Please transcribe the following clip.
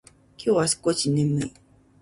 今日は少し眠い。